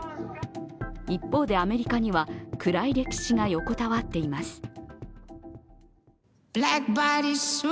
一方で、アメリカには暗い歴史が横たわっています。